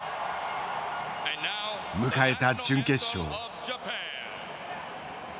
迎えた準決勝。